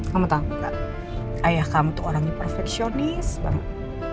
kamu tau gak ayah kamu tuh orangnya perfeksionis banget